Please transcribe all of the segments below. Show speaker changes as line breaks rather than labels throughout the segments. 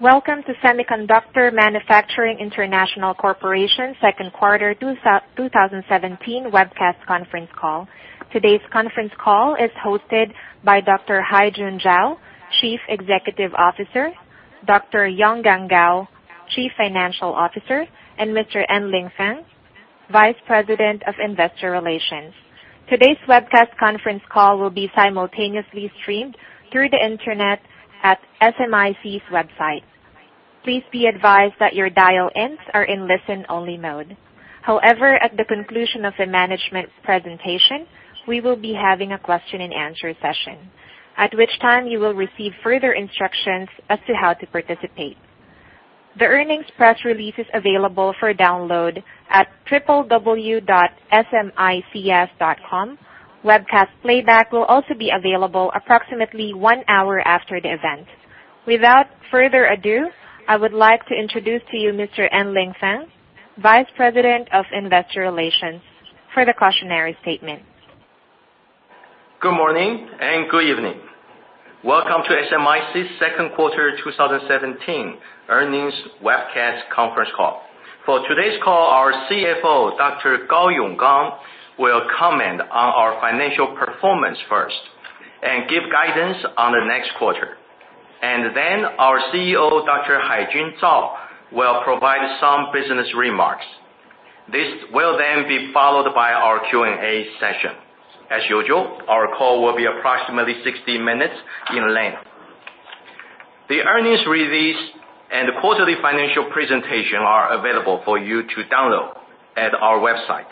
Welcome to Semiconductor Manufacturing International Corporation second quarter 2017 webcast conference call. Today's conference call is hosted by Dr. Haijun Zhao, Chief Executive Officer, Dr. Yonggang Gao, Chief Financial Officer, and Mr. Anling Feng, Vice President of Investor Relations. Today's webcast conference call will be simultaneously streamed through the internet at SMIC's website. Please be advised that your dial-ins are in listen-only mode. However, at the conclusion of the management presentation, we will be having a question and answer session, at which time you will receive further instructions as to how to participate. The earnings press release is available for download at www.smics.com. Webcast playback will also be available approximately one hour after the event. Without further ado, I would like to introduce to you Mr. Anling Feng, Vice President of Investor Relations for the cautionary statement.
Good morning and good evening. Welcome to SMIC's second quarter 2017 earnings webcast conference call. For today's call, our CFO, Dr. Yonggang Gao, will comment on our financial performance first, and give guidance on the next quarter. And then our CEO, Dr. Haijun Zhao, will provide some business remarks. This will then be followed by our Q&A session. As usual, our call will be approximately 60 minutes in length. The earnings release and quarterly financial presentation are available for you to download at our website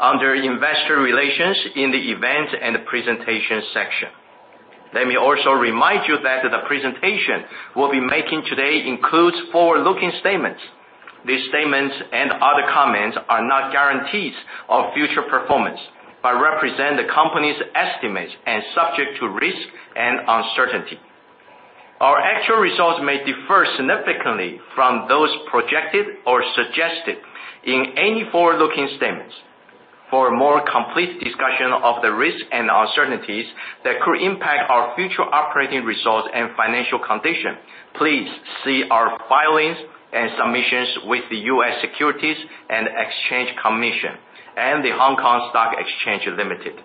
under Investor Relations in the Events and Presentation section. Let me also remind you that the presentation we'll be making today includes forward-looking statements. These statements and other comments are not guarantees of future performance, but represent the company's estimates and subject to risk and uncertainty. Our actual results may differ significantly from those projected or suggested in any forward-looking statements. For a more complete discussion of the risks and uncertainties that could impact our future operating results and financial condition, please see our filings and submissions with the U.S. Securities and Exchange Commission and the Hong Kong Stock Exchange Limited,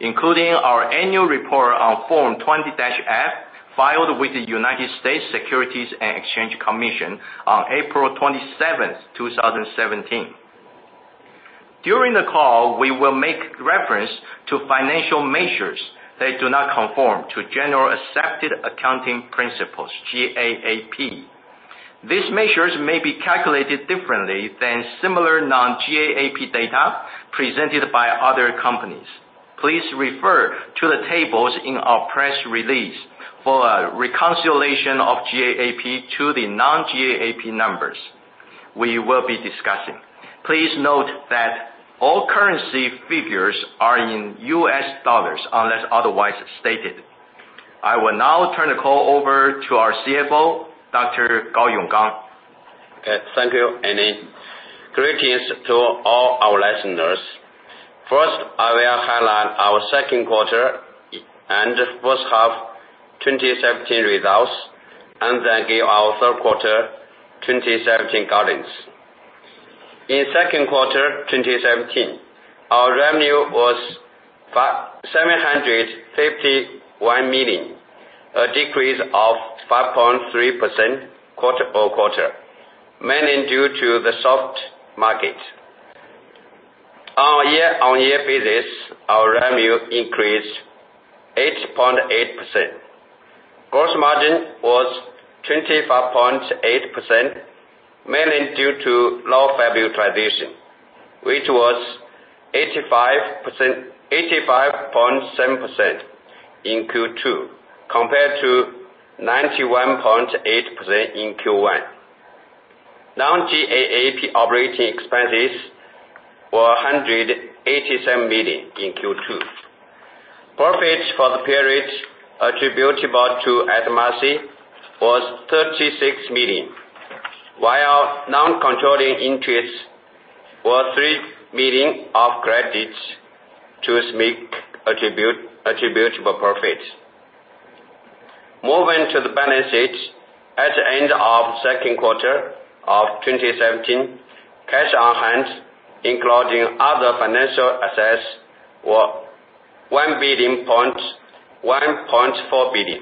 including our annual report on Form 20-F filed with the U.S. Securities and Exchange Commission on April 27th, 2017. During the call, we will make reference to financial measures that do not conform to generally accepted accounting principles, GAAP. These measures may be calculated differently than similar non-GAAP data presented by other companies. Please refer to the tables in our press release for a reconciliation of GAAP to the non-GAAP numbers we will be discussing. Please note that all currency figures are in U.S. dollars unless otherwise stated. I will now turn the call over to our CFO, Dr. Yonggang Gao.
Okay. Thank you, Anling. Greetings to all our listeners. First, I will highlight our second quarter and first half 2017 results, and then give our third quarter 2017 guidance. In second quarter 2017, our revenue was $751 million, a decrease of 5.3% quarter over quarter, mainly due to the soft market. On a year-on-year basis, our revenue increased 8.8%. Gross margin was 25.8%, mainly due to low fab utilization, which was 85.7% in Q2 compared to 91.8% in Q1. Non-GAAP operating expenses were $187 million in Q2. Profit for the period attributable to SMIC was $36 million, while non-controlling interests were $3 million of credits to SMIC attributable profit. Moving to the balance sheet. At the end of second quarter of 2017, cash on hand, including other financial assets, were $1.4 billion.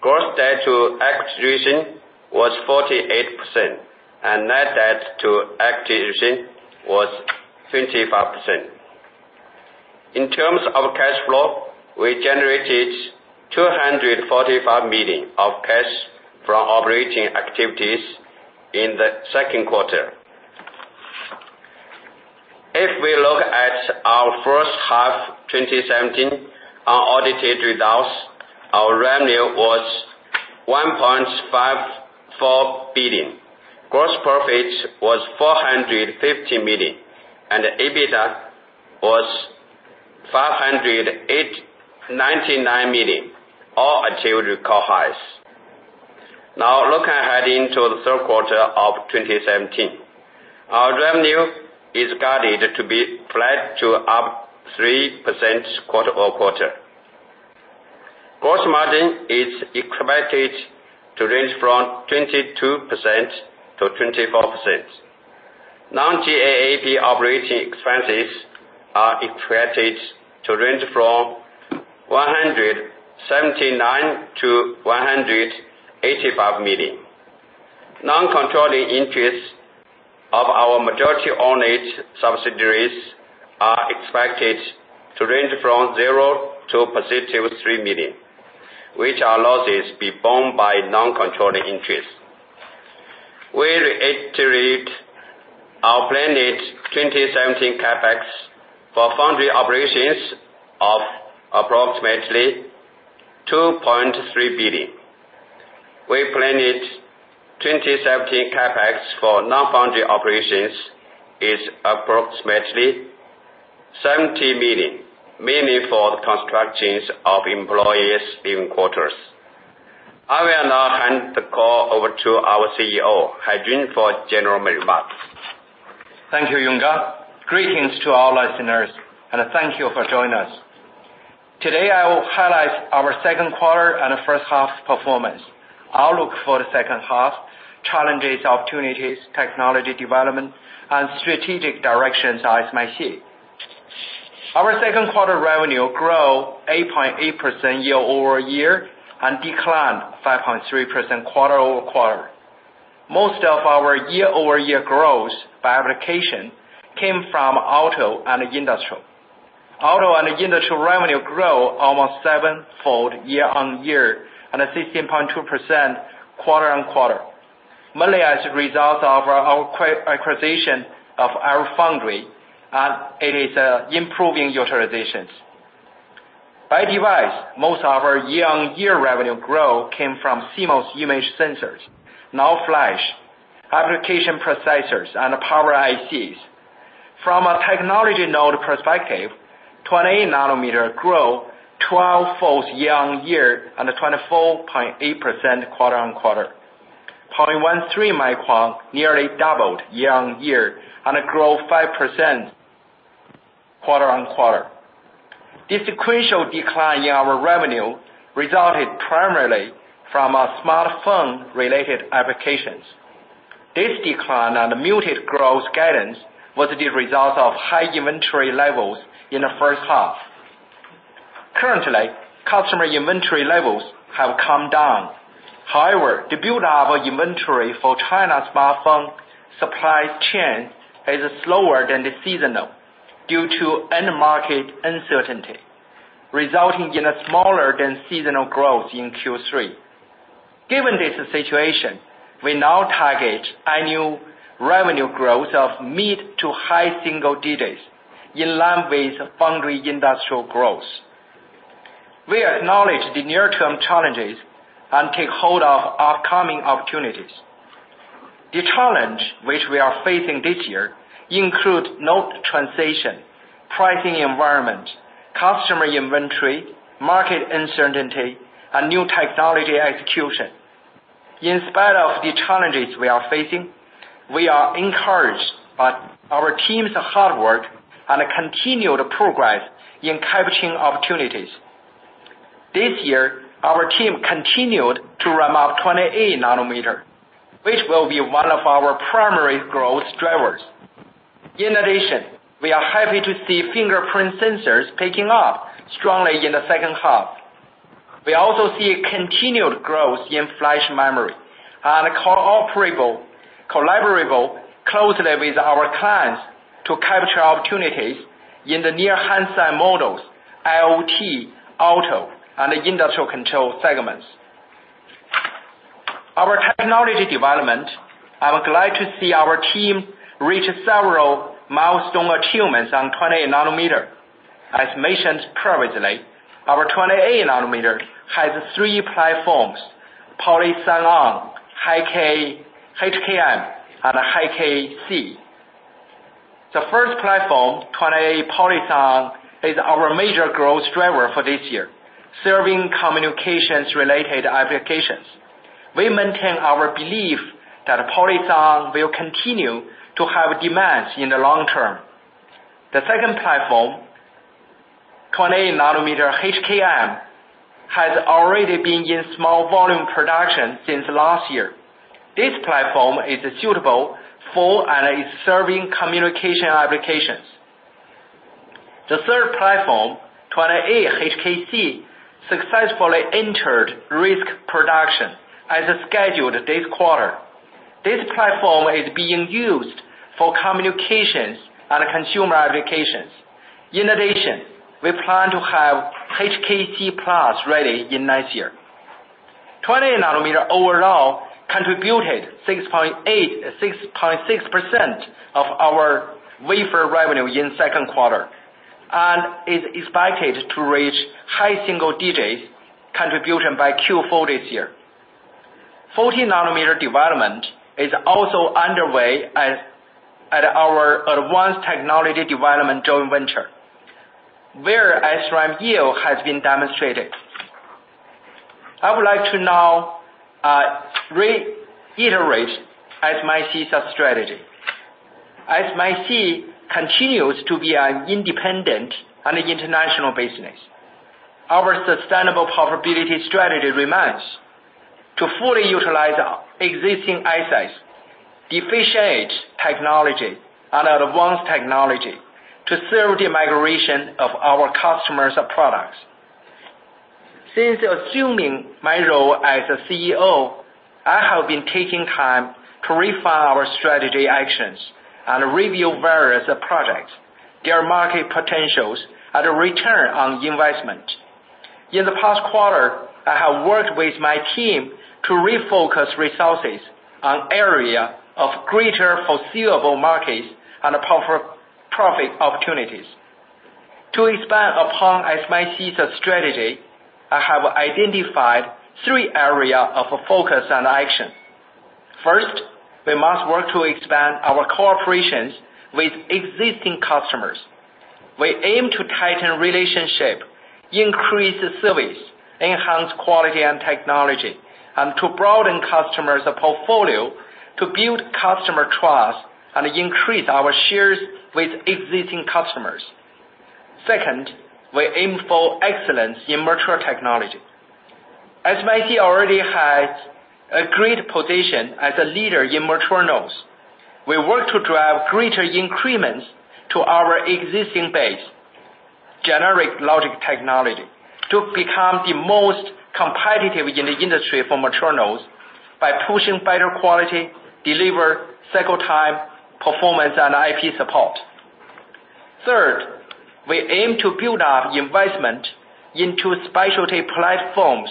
Gross debt to equity ratio was 48%, and net debt to equity ratio was 55%. In terms of cash flow, we generated $245 million of cash from operating activities in the second quarter. If we look at our first half 2017 unaudited results, our revenue was $1.54 billion. Gross profit was $450 million, and EBITDA was $599 million, all achieved record highs. Looking ahead into the third quarter of 2017. Our revenue is guided to be flat to up 3% quarter-over-quarter. Gross margin is expected to range from 22%-24%. non-GAAP operating expenses are expected to range from $179 million-$185 million. Non-controlling interests of our majority-owned subsidiaries are expected to range from $0-$3 million, which are losses borne by non-controlling interests. We reiterate our planned 2017 CapEx for foundry operations of approximately $2.3 billion. Our planned 2017 CapEx for non-foundry operations is approximately $70 million, mainly for the constructions of employee quarters. I will now hand the call over to our CEO, Haijun, for general remarks.
Thank you, Yonggang. Greetings to our listeners, and thank you for joining us. Today, I will highlight our second quarter and first half performance. I'll look at the second half, challenges, opportunities, technology development, and strategic directions as I see it. Our second quarter revenue grew 8.8% year-over-year and declined 5.3% quarter-over-quarter. Most of our year-over-year growth by application came from auto and industrial. Auto and industrial revenue grew almost sevenfold year-on-year and 16.2% quarter-on-quarter, mainly as a result of our acquisition of LFoundry and its improving utilizations. By device, most of our year-on-year revenue growth came from CMOS image sensors, NAND flash, application processors, and power ICs. From a technology node perspective, 28 nanometer grew twelvefold year-on-year and 24.8% quarter-on-quarter. 0.13 micron nearly doubled year-on-year and it grew 5% quarter-on-quarter. The sequential decline in our revenue resulted primarily from our smartphone-related applications. This decline and muted growth guidance was the result of high inventory levels in the first half. Currently, customer inventory levels have come down. The buildup of inventory for China's smartphone supply chain is slower than the seasonal due to end-market uncertainty, resulting in a smaller than seasonal growth in Q3. Given this situation, we now target annual revenue growth of mid-to-high single digits in line with foundry industrial growth. We acknowledge the near-term challenges and take hold of upcoming opportunities. The challenge which we are facing this year includes node transition, pricing environment, customer inventory, market uncertainty, and new technology execution. In spite of the challenges we are facing, we are encouraged by our team's hard work and continued progress in capturing opportunities. This year, our team continued to ramp up 28 nanometer, which will be one of our primary growth drivers. In addition, we are happy to see fingerprint sensors picking up strongly in the second half. We also see a continued growth in flash memory, and collaborate closely with our clients to capture opportunities in the near handset models, IoT, auto, and the industrial control segments. Our technology development, I'm glad to see our team reach several milestone achievements on 28 nanometer. As mentioned previously, our 28 nanometer has three platforms, Polysilicon, HKN, and HKC. The first platform, 28 Polysilicon, is our major growth driver for this year, serving communications-related applications. We maintain our belief that Polysilicon will continue to have demands in the long term. The second platform, 28 nanometer HKN, has already been in small volume production since last year. This platform is suitable for and is serving communication applications. The third platform, 28 HKC, successfully entered risk production as scheduled this quarter. This platform is being used for communications and consumer applications. In addition, we plan to have HKC+ ready in next year. 28 nanometer overall contributed 6.6% of our wafer revenue in second quarter and is expected to reach high single digits contribution by Q4 this year. 14 nanometer development is also underway at our advanced technology development joint venture, where SRAM yield has been demonstrated. I would like to now reiterate SMIC's strategy. SMIC continues to be an independent and international business. Our sustainable profitability strategy remains to fully utilize our existing assets, efficient technology, and advanced technology to serve the migration of our customers' products. Since assuming my role as CEO, I have been taking time to refine our strategy actions and review various projects, their market potentials, and return on investment. In the past quarter, I have worked with my team to refocus resources on area of greater foreseeable markets and profit opportunities. To expand upon SMIC's strategy, I have identified three areas of focus and action. First, we must work to expand our cooperation with existing customers. We aim to tighten relationships, increase service, enhance quality and technology, and to broaden customers' portfolio to build customer trust and increase our shares with existing customers. Second, we aim for excellence in mature technology. SMIC already has a great position as a leader in mature nodes. We work to drive greater increments to our existing base, generic logic technology, to become the most competitive in the industry for mature nodes by pushing better quality, deliver cycle time, performance, and IP support. Third, we aim to build up investment into specialty platforms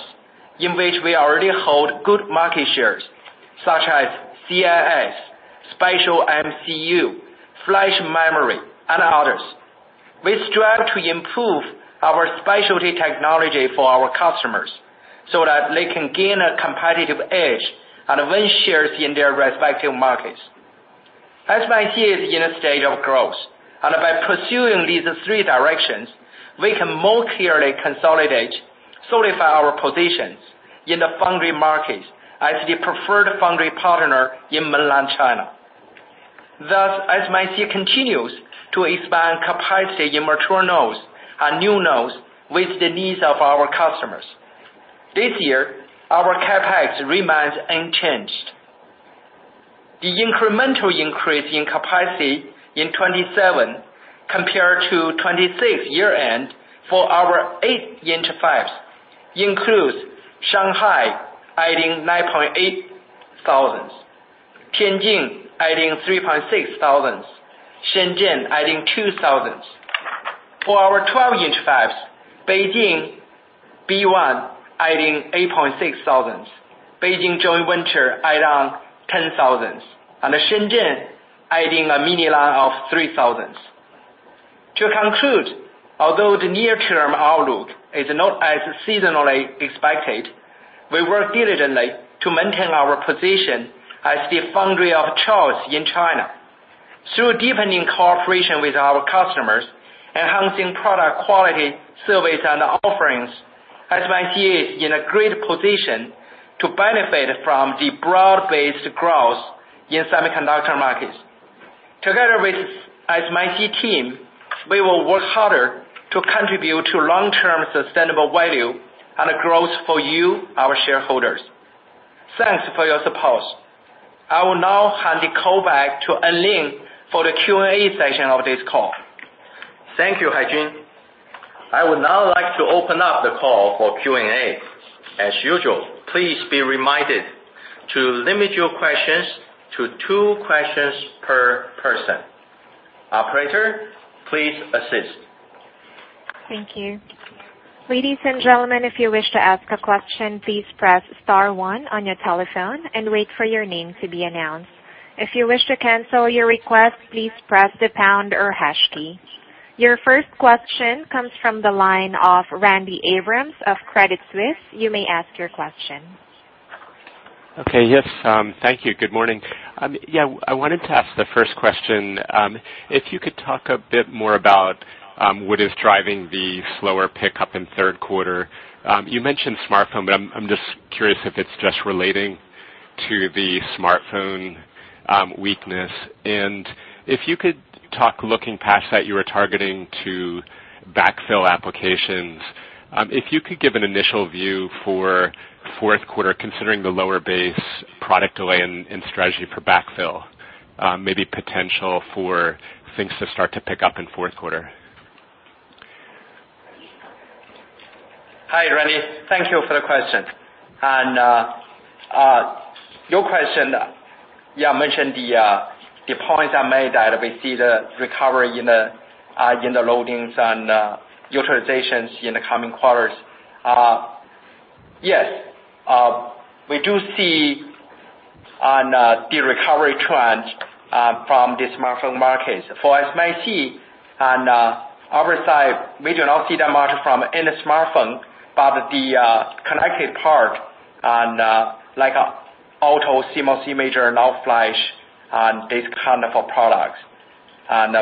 in which we already hold good market shares, such as CIS, special MCU, flash memory, and others. We strive to improve our specialty technology for our customers so that they can gain a competitive edge and win shares in their respective markets. SMIC is in a state of growth, and by pursuing these three directions, we can more clearly consolidate, solidify our positions in the foundry market as the preferred foundry partner in Mainland China. SMIC continues to expand capacity in mature nodes and new nodes with the needs of our customers. This year, our CapEx remains unchanged. The incremental increase in capacity in 2017 compared to 2016 year-end for our 8-inch fabs includes Shanghai adding 9,800, Tianjin adding 3,600, Shenzhen adding 2,000. For our 12-inch fabs, Beijing B1 adding 8,600, Beijing Joint Venture add on 10,000, and Shenzhen adding a mini line of 3,000. To conclude, although the near-term outlook is not as seasonally expected, we work diligently to maintain our position as the foundry of choice in China. Through deepening cooperation with our customers, enhancing product quality, service, and offerings, SMIC is in a great position to benefit from the broad-based growth in semiconductor markets. Together with SMIC team, we will work harder to contribute to long-term sustainable value and growth for you, our shareholders. Thanks for your support. I will now hand the call back to Anling for the Q&A session of this call.
Thank you, Haijun. I would now like to open up the call for Q&A. As usual, please be reminded to limit your questions to two questions per person. Operator, please assist.
Thank you. Ladies and gentlemen, if you wish to ask a question, please press star one on your telephone and wait for your name to be announced. If you wish to cancel your request, please press the pound or hash key. Your first question comes from the line of Randy Abrams of Credit Suisse. You may ask your question.
Okay. Yes. Thank you. Good morning. I wanted to ask the first question. If you could talk a bit more about what is driving the slower pickup in the third quarter. You mentioned smartphone, I'm just curious if it's just relating to the smartphone weakness. If you could talk looking past that you were targeting to backfill applications, if you could give an initial view for the fourth quarter, considering the lower base product delay and strategy for backfill, maybe potential for things to start to pick up in the fourth quarter.
Hi, Randy. Thank you for the question. Your question mentioned the points I made that we see the recovery in the loadings and utilizations in the coming quarters. Yes, we do see on the recovery trends from the smartphone markets. For SMIC, on our side, we do not see the margin from any smartphone, but the connected part on like auto CIS, [CMGR], and NOR flash, and these kinds of products.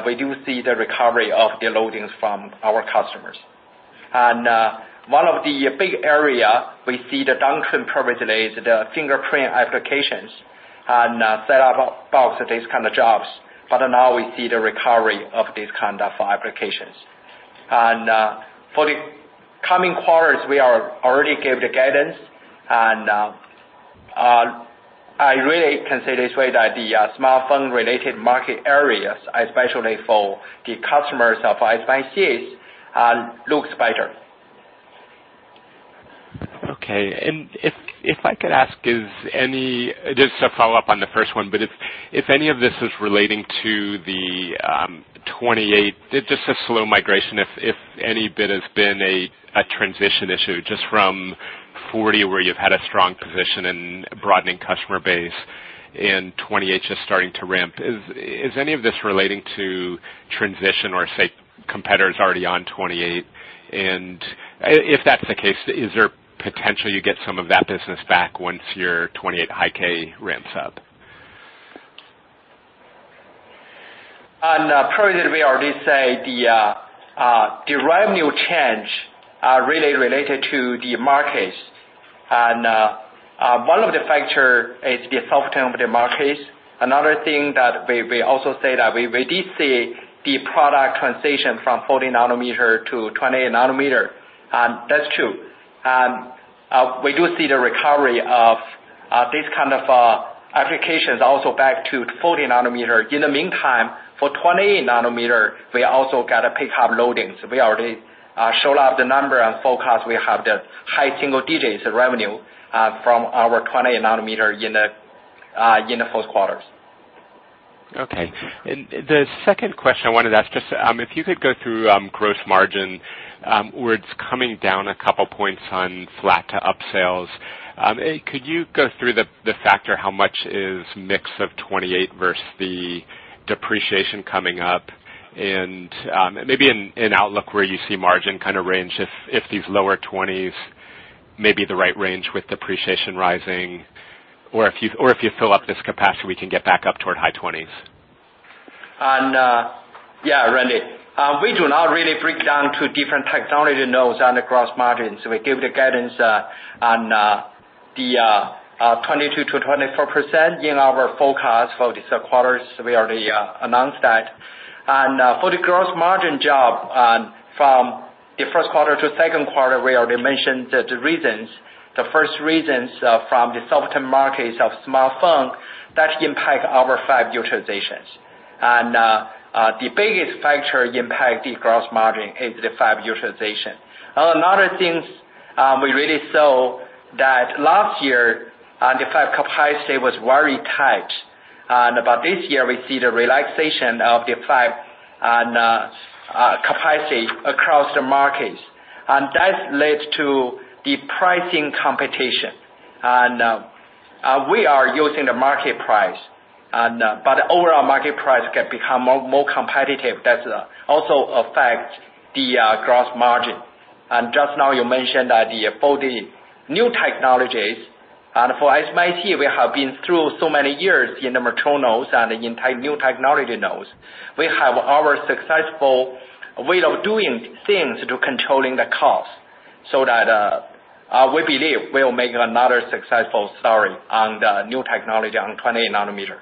We do see the recovery of the loadings from our customers. One of the big areas we see the downturn previously is the fingerprint applications and set-up box, these kinds of jobs. Now we see the recovery of these kinds of applications. For the coming quarters, we already gave the guidance, I really can say this way that the smartphone-related market areas, especially for the customers of SMIC, looks better.
Okay. If I could ask, just to follow up on the first one, if any of this is relating to the 28, just a slow migration, if any bit has been a transition issue, just from 40, where you've had a strong position in broadening customer base and 28 just starting to ramp. Is any of this relating to transition or, say, competitors already on 28? If that's the case, is there potential you get some of that business back once your 28 High-K ramps up?
Previously, we already said the revenue change are really related to the markets. One of the factors is the soft term of the markets. Another thing that we also say that we did see the product transition from 40 nanometer to 28 nanometer, and that's true. We do see the recovery of these kinds of applications also back to 40 nanometer. In the meantime, for 28 nanometer, we also got a pickup loading. We already showed up the number and forecast. We have the high single digits of revenue from our 28 nanometer in the fourth quarter.
Okay. The second question I wanted to ask, if you could go through gross margin, where it's coming down a couple points on flat to up sales. Could you go through the factor, how much is mix of 28 versus the depreciation coming up? Maybe in outlook, where you see margin range, if these lower 20s may be the right range with depreciation rising, or if you fill up this capacity, we can get back up toward high 20s.
Yeah, Randy. We do not really break down to different technology nodes on the gross margins. We give the guidance on the 22%-24% in our forecast for this quarter. We already announced that. For the gross margin drop from the first quarter to second quarter, we already mentioned the reasons. The first reasons from the softer markets of smartphone, that impact our fab utilizations. The biggest factor impact the gross margin is the fab utilization. Another thing we really saw, that last year, the fab capacity was very tight. About this year, we see the relaxation of the fab and capacity across the markets. That led to the pricing competition. We are using the market price, but overall market price can become more competitive. That also affects the gross margin. Just now you mentioned that the for new technologies, for SMIC, we have been through so many years in the mature nodes and in new technology nodes. We have our successful way of doing things to controlling the cost so that we believe we will make another successful story on the new technology on 28 nanometer.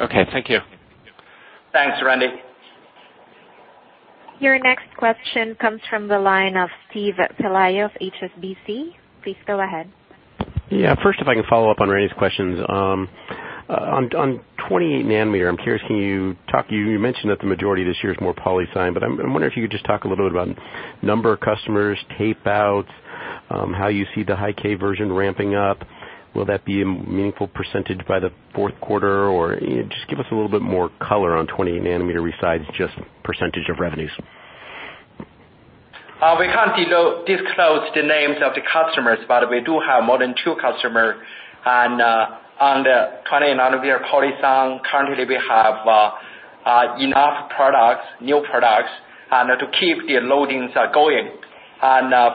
Okay. Thank you.
Thanks, Randy.
Your next question comes from the line of Steven Pelayo, HSBC. Please go ahead.
Yeah. First, if I can follow up on Randy's questions. On 28 nanometer, I'm curious, can you talk, you mentioned that the majority of this year is more polysilicon, but I'm wondering if you could just talk a little bit about number of customers, tapeouts, how you see the High-K version ramping up. Will that be a meaningful percentage by the fourth quarter, or just give us a little bit more color on 28 nanometer besides just percentage of revenues.
We can't disclose the names of the customers, but we do have more than two customers on the 28 nanometer polysilicon. Currently, we have enough products, new products, to keep the loadings going.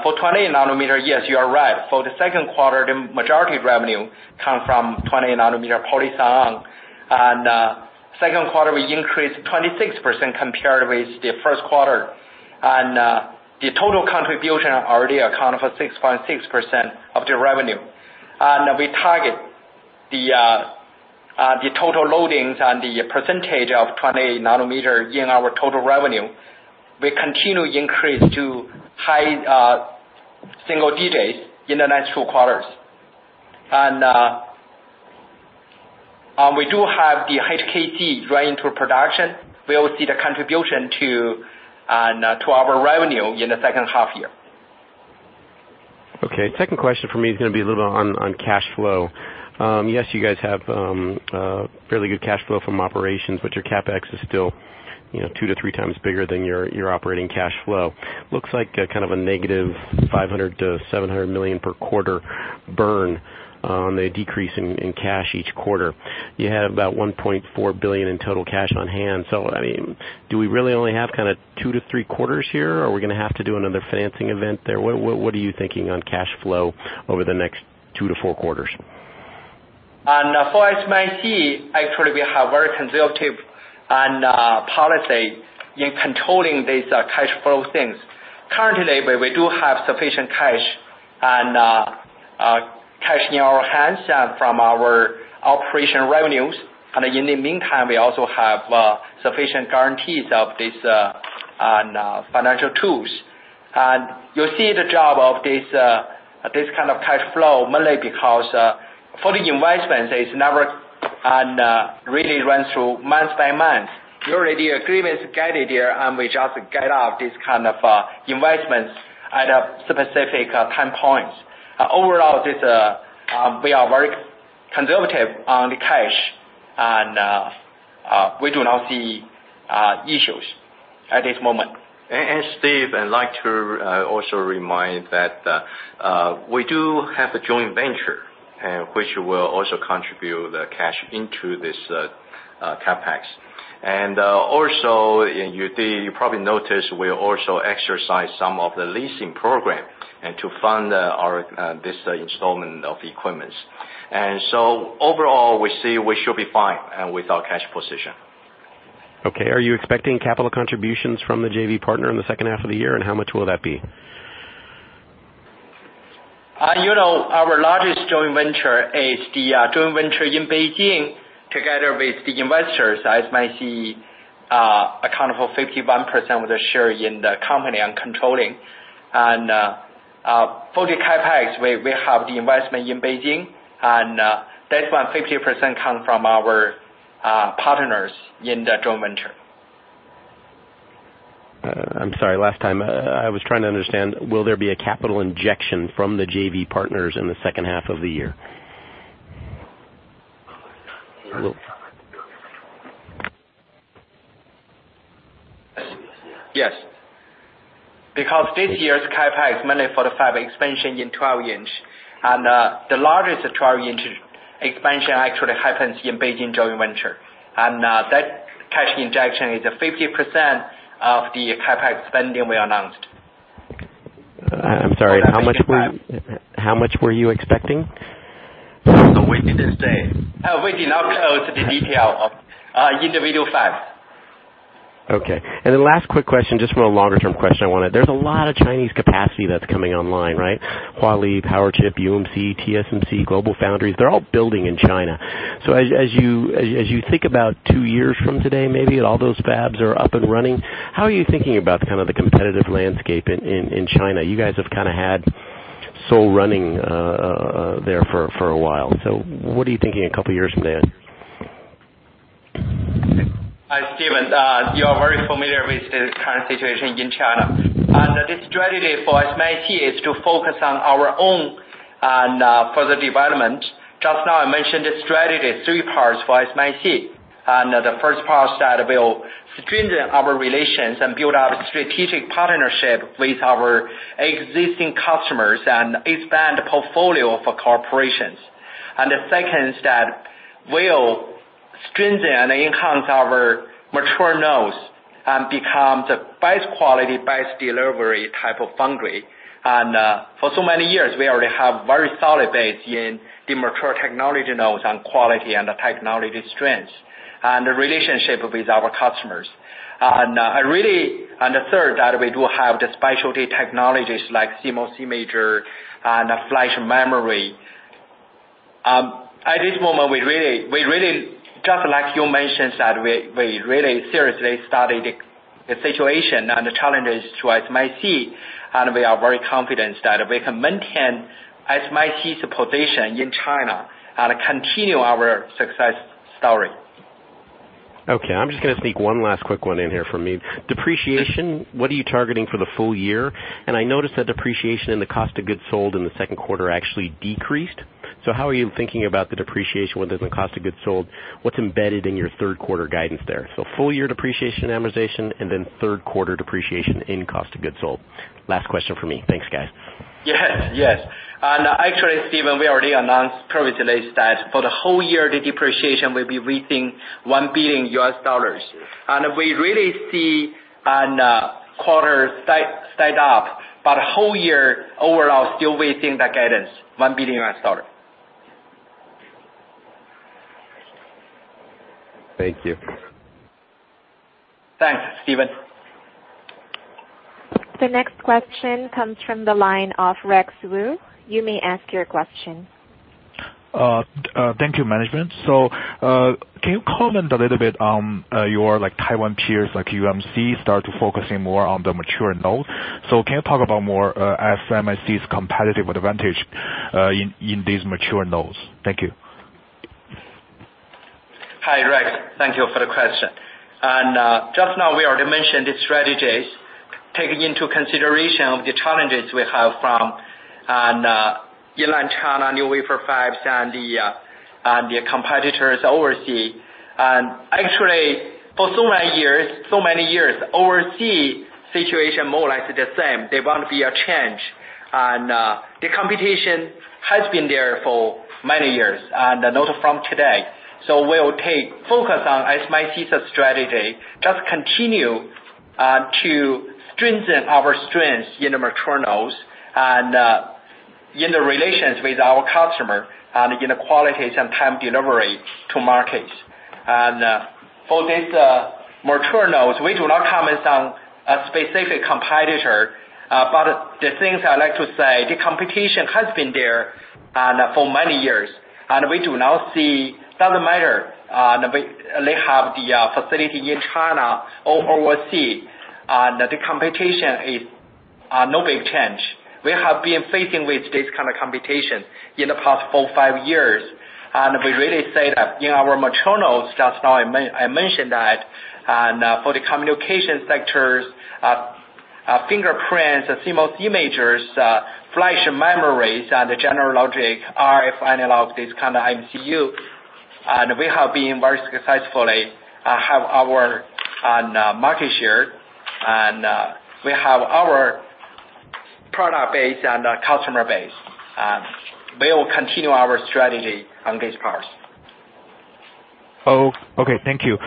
For 28 nanometer, yes, you are right. For the second quarter, the majority of revenue come from 28 nanometer polysilicon, and second quarter, we increased 26% compared with the first quarter. The total contribution already account for 6.6% of the revenue. We target the total loadings and the percentage of 28 nanometer in our total revenue. We continue increase to high single digits in the next two quarters. We do have the HKC right into production. We will see the contribution to our revenue in the second half year.
Okay. Second question for me is going to be a little bit on cash flow. Yes, you guys have fairly good cash flow from operations, but your CapEx is still 2 to 3 times bigger than your operating cash flow. Looks like a negative $500 million to $700 million per quarter burn on the decrease in cash each quarter. You have about $1.4 billion in total cash on hand. Do we really only have 2 to 3 quarters here? Are we going to have to do another financing event there? What are you thinking on cash flow over the next 2 to 4 quarters?
For SMIC, actually, we have very conservative policy in controlling these cash flow things. Currently, we do have sufficient cash in our hands from our operation revenues. In the meantime, we also have sufficient guarantees of these financial tools. You see the job of this kind of cash flow mainly because for the investments, it's never really run through month by month. You already agree with the guide here, and we just guide out these kind of investments at a specific time point. Overall, we are very conservative on the cash, and we do not see issues at this moment.
Steven, I'd like to also remind that we do have a joint venture, which will also contribute the cash into this CapEx. Also, you probably noticed we also exercise some of the leasing program and to fund this installation of equipment. Overall, we see we should be fine with our cash position.
Okay. Are you expecting capital contributions from the JV partner in the second half of the year? How much will that be?
Our largest joint venture is the joint venture in Beijing together with the investors, SMIC account for 51% of the share in the company and controlling. For the CapEx, we have the investment in Beijing, and that one, 50% come from our partners in the joint venture.
I'm sorry, last time I was trying to understand, will there be a capital injection from the JV partners in the second half of the year?
Yes. Because this year's CapEx mainly for the fab expansion in 12-inch, and the largest 12-inch expansion actually happens in Beijing joint venture. That cash injection is 50% of the CapEx spending we announced.
I'm sorry. How much were you expecting?
We didn't say.
We did not disclose the detail of individual fabs.
Last quick question, just more longer-term question I wanted. There's a lot of Chinese capacity that's coming online, right? Hua Li, PowerChip, UMC, TSMC, GlobalFoundries, they're all building in China. As you think about two years from today, maybe, and all those fabs are up and running, how are you thinking about the competitive landscape in China? You guys have had sole running there for a while. What are you thinking a couple of years from now?
Hi, Steven. You are very familiar with the current situation in China. The strategy for SMIC is to focus on our own further development. Just now, I mentioned the strategy, three parts for SMIC. The first part that will strengthen our relations and build our strategic partnership with our existing customers and expand the portfolio for corporations. The second is that we'll strengthen and enhance our mature nodes and become the best quality, best delivery time of foundry. For so many years, we already have very solid base in the mature technology nodes and quality and the technology strengths and the relationship with our customers. The third, that we do have the specialty technologies like CMOS image and flash memory. At this moment, just like you mentioned, that we really seriously study the situation and the challenges to SMIC, we are very confident that we can maintain SMIC's position in China and continue our success story.
Okay. I'm just going to sneak one last quick one in here for me. Depreciation, what are you targeting for the full year? I noticed that depreciation in the cost of goods sold in the second quarter actually decreased. How are you thinking about the depreciation within the cost of goods sold? What's embedded in your third quarter guidance there? Full year depreciation and amortization, then third quarter depreciation in cost of goods sold. Last question from me. Thanks, guys.
Yes. Actually, Steven, we already announced previously that for the whole year, the depreciation will be within $1 billion. We really see a quarter slight up, but whole year overall, still within the guidance, $1 billion.
Thank you.
Thanks, Steven.
The next question comes from the line of Rex Wu. You may ask your question.
Thank you, management. Can you comment a little bit on your Taiwan peers, like UMC, start to focusing more on the mature nodes. Can you talk about more SMIC's competitive advantage in these mature nodes? Thank you.
Hi, Rex. Thank you for the question. Just now we already mentioned the strategies, taking into consideration of the challenges we have from Mainland China, new wafer fabs, and the competitors overseas. Actually, for so many years, overseas situation more or less is the same. There won't be a change. The competition has been there for many years, and not from today. We'll focus on SMIC's strategy, just to strengthen our strengths in the mature nodes and in the relations with our customer, and in the qualities and time delivery to market. For this mature nodes, we do not comment on a specific competitor, but the things I like to say, the competition has been there for many years. We do now see, doesn't matter, they have the facility in China or overseas, the competition is no big change. We have been facing with this kind of competition in the past four, five years. We really say that in our mature nodes, just now I mentioned that, for the communication sectors, fingerprints, CMOS images, flash memories, and the general logic are a final of this kind of MCU. We have been very successfully have our market share, and we have our product base and our customer base. We will continue our strategy on this part.
Oh, okay. Thank you.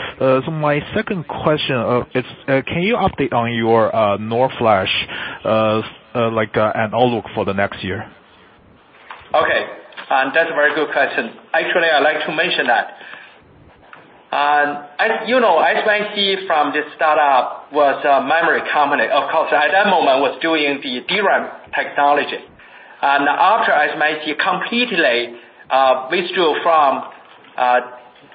My second question is, can you update on your NOR flash, like an outlook for the next year?
Okay. That's a very good question. Actually, I like to mention that. As you know, SMIC from the start up was a memory company. Of course, at that moment was doing the DRAM technology. After SMIC completely withdrew from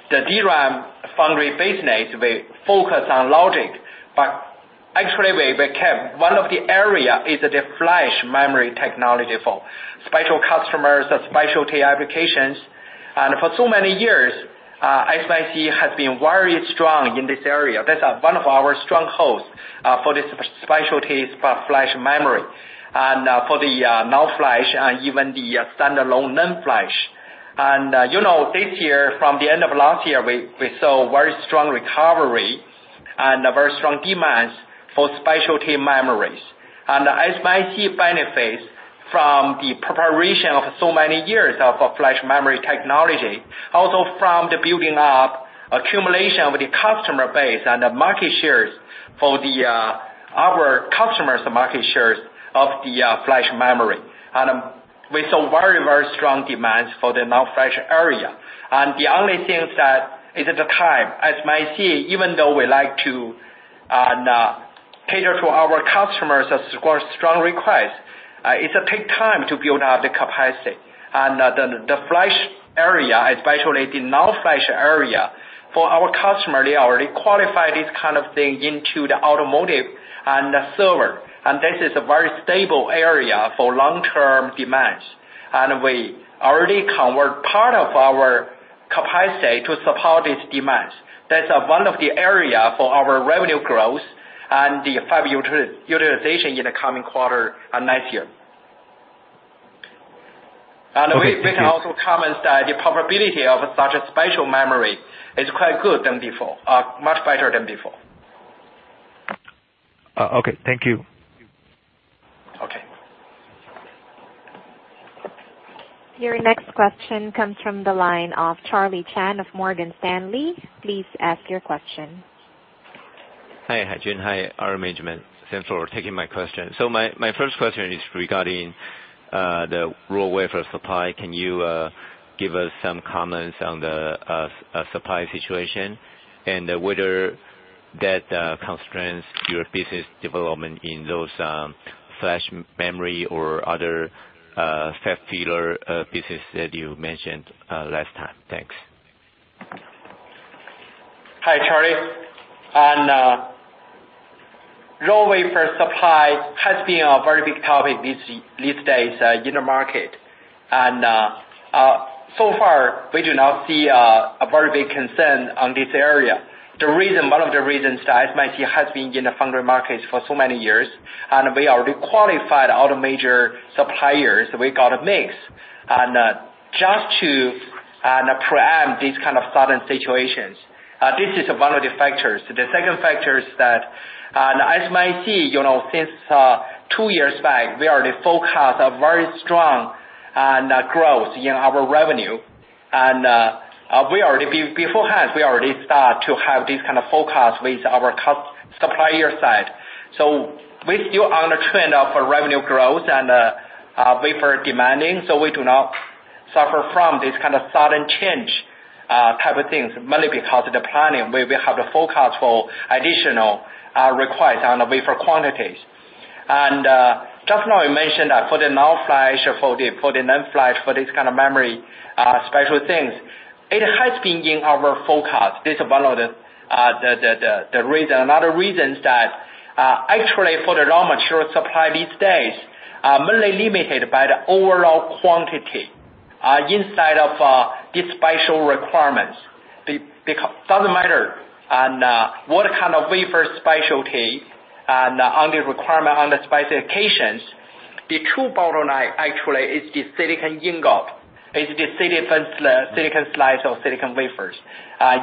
the DRAM foundry business, we focus on logic. Actually, we kept one of the area is the flash memory technology for special customers or specialty applications. For so many years, SMIC has been very strong in this area. That's one of our strongholds for this specialty flash memory and for the NOR flash and even the standalone NAND flash. You know, this year, from the end of last year, we saw very strong recovery and very strong demands for specialty memories. SMIC benefits from the preparation of so many years of flash memory technology, also from the building up accumulation with the customer base and the market shares for our customers' market shares of the flash memory. We saw very, very strong demands for the NOR flash area. The only thing is that, is the time. SMIC, even though we like to cater to our customers' strong request, it take time to build out the capacity. The flash area, especially the NOR flash area, for our customer, they already qualify this kind of thing into the automotive and the server. This is a very stable area for long-term demands. We already convert part of our capacity to support this demand. That's one of the area for our revenue growth and the fab utilization in the coming quarter and next year.
Okay.
We can also comment that the profitability of such a special memory is quite good than before, much better than before.
Okay. Thank you.
Okay.
Your next question comes from the line of Charlie Chan of Morgan Stanley. Please ask your question.
Hi, Haijun. Hi, management. Thanks for taking my question. My first question is regarding the raw wafer supply. Can you give us some comments on the supply situation and whether that constrains your business development in those flash memory or other fab filler business that you mentioned last time? Thanks.
Hi, Charlie. Raw wafer supply has been a very big topic these days in the market. So far, we do not see a very big concern on this area. One of the reasons that SMIC has been in the foundry market for so many years, and we already qualified all the major suppliers, we got a mix. Just to pre-empt these kind of sudden situations, this is one of the factors. The second factor is that, SMIC, since two years back, we already forecast a very strong growth in our revenue. Beforehand, we already start to have this kind of forecast with our supplier side. We still on trend for revenue growth and wafer demand, so we do not suffer from this kind of sudden change type of things, mainly because of the planning, where we have the forecast for additional requests on the wafer quantities. Just now I mentioned that for the NOR flash, for the NAND flash, for this kind of memory, special things, it has been in our forecast. This is one of the reasons. Another reason is that, actually, for the raw material supply these days, mainly limited by the overall quantity inside of these special requirements. It doesn't matter what kind of wafer specialty, and on the requirement, on the specifications. The true bottleneck actually is the silicon ingot. It's the silicon slice or silicon wafers,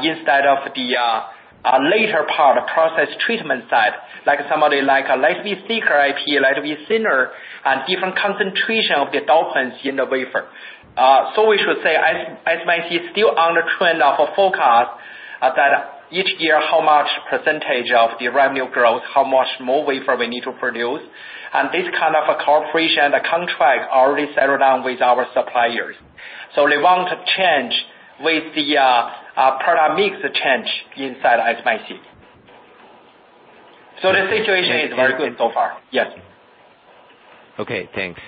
instead of the later part, process treatment side. Like somebody like, let's be thicker epi, let's be thinner, and different concentration of the dopants in the wafer. We should say, SMIC is still on the trend of forecast that each year, how much percentage of the revenue growth, how much more wafer we need to produce. This kind of a cooperation and a contract already settled down with our suppliers. They want to change with the product mix change inside SMIC. The situation is very good so far. Yes.
Okay, thanks.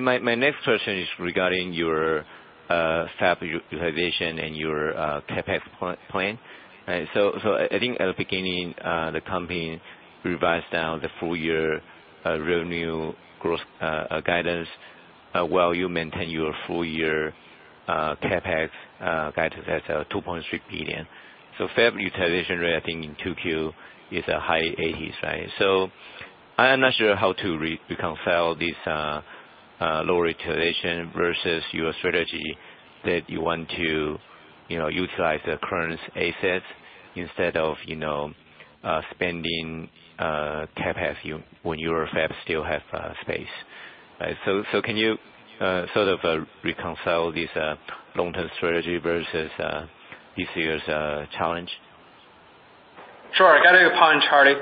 My next question is regarding your fab utilization and your CapEx plan. I think at the beginning, the company revised down the full-year revenue growth guidance, while you maintain your full-year CapEx guidance at $2.3 billion. Fab utilization rate, I think in 2Q is high eighties, right? I am not sure how to reconcile this low utilization versus your strategy that you want to utilize the current assets instead of spending CapEx when your fab still has space. Can you sort of reconcile this long-term strategy versus this year's challenge?
Sure. I get your point, Charlie.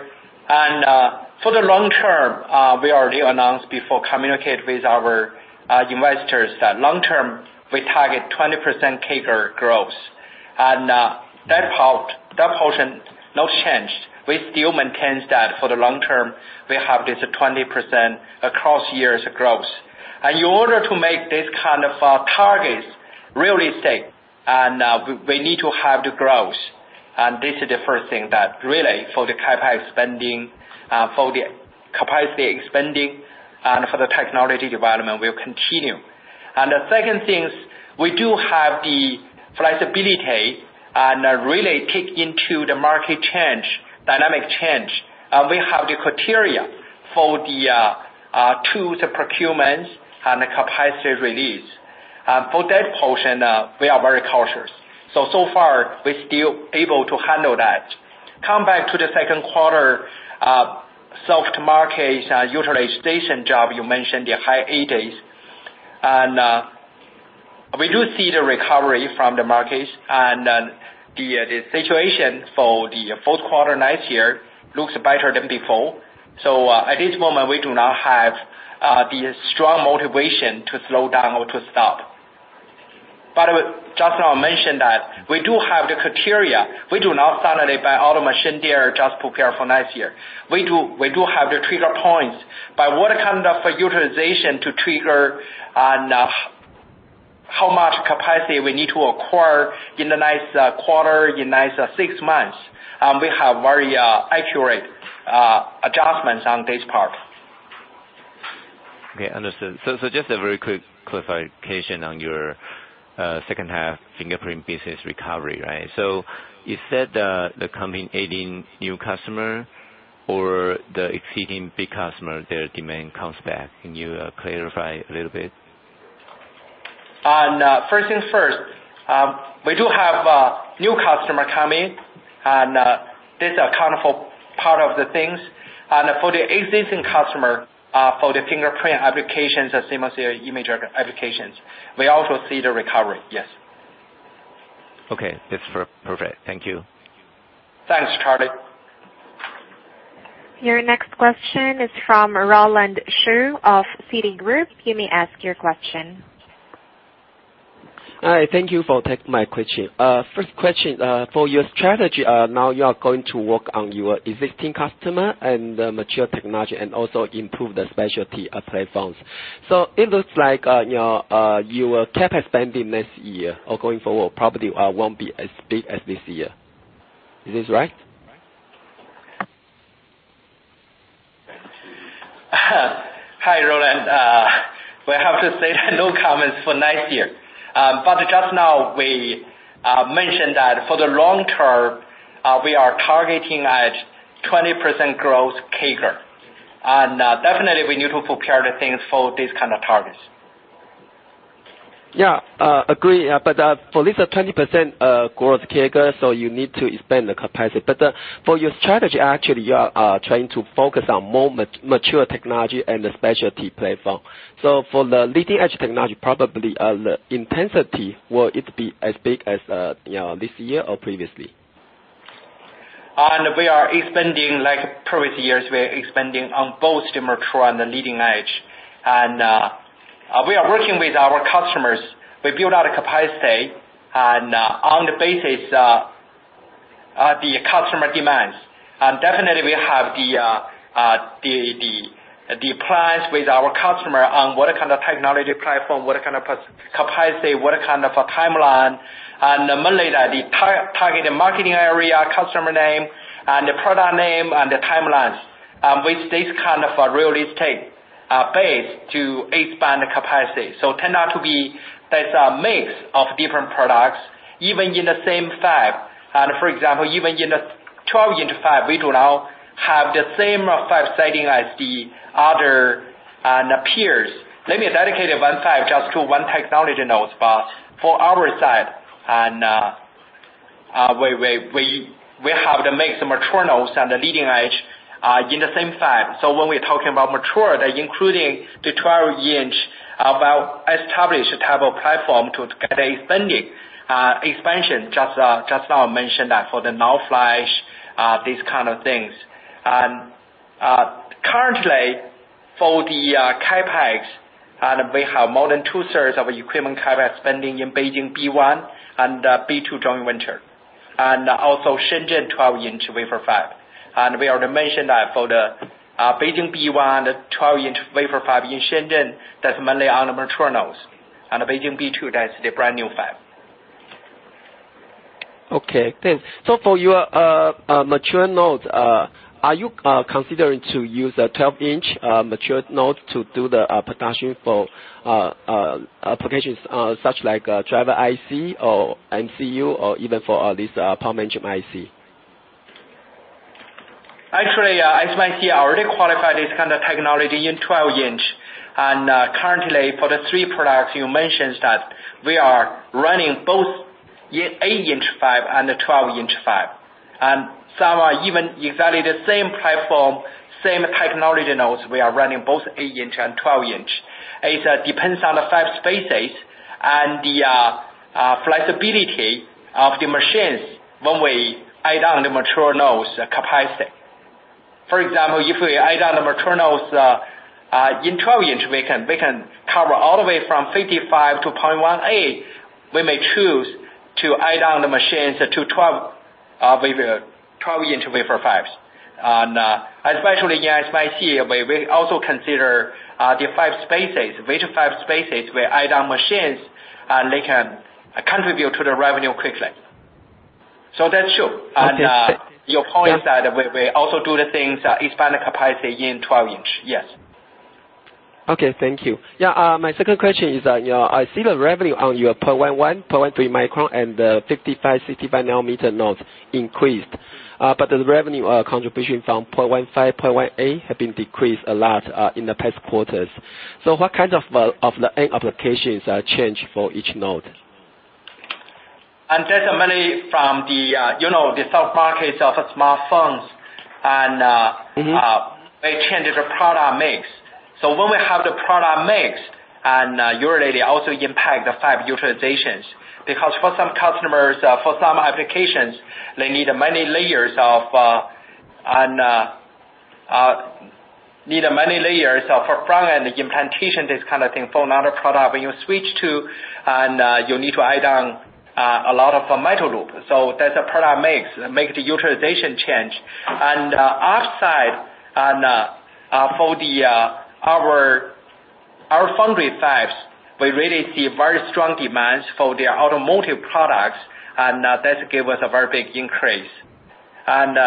For the long term, we already announced before, communicate with our investors, that long term, we target 20% CAGR growth. That portion, no change. We still maintain that for the long term, we have this 20% across years growth. In order to make this kind of targets really safe, we need to have the growth. This is the first thing that really for the CapEx spending, for the capacity expanding, for the technology development will continue. The second thing, we do have the flexibility, really take into the market change, dynamic change. We have the criteria for the tools and procurements and the capacity release. For that portion, we are very cautious. So far we're still able to handle that. Come back to the second quarter, soft market, utilization drop, you mentioned the high 80s. We do see the recovery from the market and the situation for the fourth quarter next year looks better than before. At this moment, we do not have the strong motivation to slow down or to stop. I would just now mention that we do have the criteria. We do not suddenly buy all the machine there, just prepare for next year. We do have the trigger points. By what kind of utilization to trigger and how much capacity we need to acquire in the next quarter, in next six months. We have very accurate adjustments on this part.
Okay, understood. Just a very quick clarification on your second half fingerprint business recovery, right? You said the coming in new customer or the existing big customer, their demand comes back. Can you clarify a little bit?
First things first, we do have new customer coming, this account for part of the things. For the existing customer, for the fingerprint applications, the same as their imager applications, we also see the recovery. Yes.
Okay. It's perfect. Thank you.
Thanks, Charlie.
Your next question is from Roland Shu of Citigroup. You may ask your question.
Hi. Thank you for taking my question. First question, for your strategy, now you are going to work on your existing customer and mature technology and also improve the specialty platforms. It looks like your CapEx spending next year or going forward probably won't be as big as this year. Is this right?
Hi, Roland. We have to say no comments for next year. Just now we mentioned that for the long term, we are targeting at 20% growth CAGR. Definitely we need to prepare the things for this kind of targets.
Yeah. Agree. For this 20% growth CAGR, you need to expand the capacity. For your strategy, actually, you are trying to focus on more mature technology and the specialty platform. For the leading-edge technology, probably the intensity, will it be as big as this year or previously?
We are expanding like previous years. We are expanding on both the mature and the leading edge. We are working with our customers. We build out a capacity on the basis of the customer demands. Definitely we have the plans with our customer on what kind of technology platform, what kind of capacity, what kind of a timeline. Mainly the targeted marketing area, customer name, and the product name, and the timelines. With this kind of a realistic base to expand the capacity. It turns out to be, there's a mix of different products, even in the same fab. For example, even in the 12-inch fab, we do now have the same fab setting as the other peers. Let me dedicate one fab just to one technology now. For our side, we have to make some mature nodes and the leading edge in the same fab. When we're talking about mature, they including the 12-inch, about established type of platform to get expanding, expansion. Just now I mentioned that for the NAND flash, these kind of things. Currently, for the CapEx, we have more than two-thirds of equipment CapEx spending in Beijing B1 and B2 joint venture. Also Shenzhen 12-inch wafer fab. We already mentioned that for the Beijing B1, the 12-inch wafer fab in Shenzhen, that's mainly on the mature nodes. Beijing B2, that's the brand-new fab.
Okay, thanks. For your mature nodes, are you considering to use a 12-inch mature node to do the production for applications such like driver IC or MCU or even for this power management IC?
Actually, SMIC already qualified this kind of technology in 12-inch, currently for the three products you mentioned that we are running both 8-inch fab and the 12-inch fab. Some are even exactly the same platform, same technology nodes, we are running both 8-inch and 12-inch. It depends on the fab spaces and the flexibility of the machines when we add on the mature nodes capacity. For example, if we add on the mature nodes, in 12-inch, we can cover all the way from 55 to 0.18-micron. We may choose to add on the machines to 12-inch wafer fabs. Especially in SMIC, we also consider, the fab spaces, which fab spaces we add on machines, and they can contribute to the revenue quickly. That's true.
Okay.
Your point is that we also do the things, expand the capacity in 12-inch. Yes.
Okay. Thank you. Yeah, my second question is, I see the revenue on your 0.11-micron, 0.13 micron and the 55, 65 nanometer nodes increased. The revenue contribution from 0.15, 0.18-micron have been decreased a lot in the past quarters. What kind of the end applications change for each node?
That's mainly from the soft markets of smartphones and- They change the product mix. When we have the product mix, usually they also impact the fab utilizations. For some customers, for some applications, they need many layers of front-end implantation, this kind of thing for another product. When you switch to, you need to add on a lot of metal layer. That's a product mix, make the utilization change. Our side, for our foundry fabs, we really see very strong demands for the automotive products, and that give us a very big increase. In the-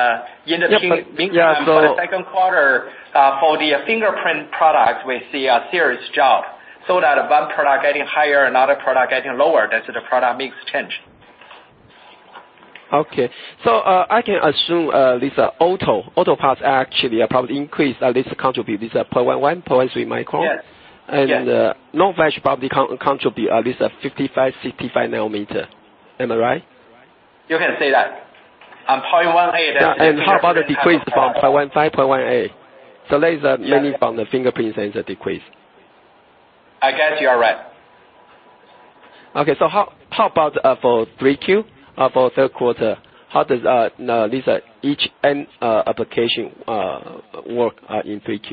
Yeah,-
For the second quarter, for the fingerprint product, we see a serious drop. That one product getting higher, another product getting lower, that's the product mix change.
I can assume these auto parts actually are probably increased, at least contribute this 0.11-micron, 0.13 micron.
Yes.
NOR flash probably contribute at least 55, 65 nanometer. Am I right?
You can say that. 0.18-micron
How about the decrease from 0.15, 0.18-micron? That is mainly from the fingerprint sensor decrease.
I guess you are right.
Okay, how about for 3Q? For third quarter, how does these, each end application work in 3Q?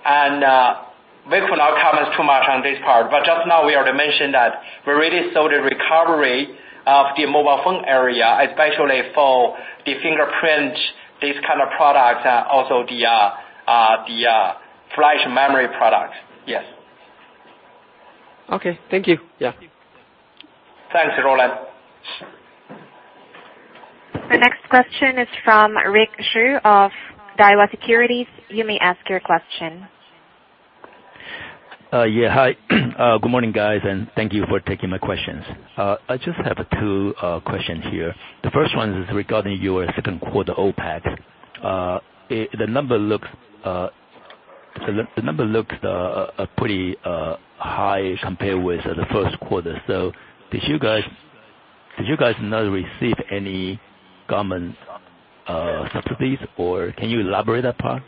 We could not comment too much on this part, but just now we already mentioned that we already saw the recovery of the mobile phone area, especially for the fingerprint, these kind of products, and also the flash memory products. Yes.
Okay. Thank you. Yeah.
Thanks, Roland Shu.
The next question is from Rick Hsu of Daiwa Securities. You may ask your question.
Yeah. Hi. Good morning, guys, and thank you for taking my questions. I just have two questions here. The first one is regarding your second quarter OpEx. The number looks pretty high compared with the first quarter. Did you guys not receive any government subsidies, or can you elaborate that part?